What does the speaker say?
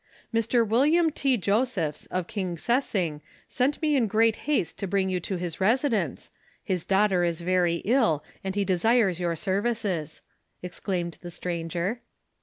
) "Mr. Wm. T. Josephs, of Kingsessing, sent me in great haste to bring you to his .residence, his daughter is very ill, and he desires your services," exclaimed the stranger.